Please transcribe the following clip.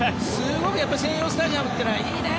専用スタジアムというのはすごくいいね。